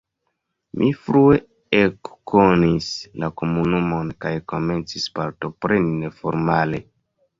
Mi frue ekkonis la komunumon kaj komencis partopreni neformale.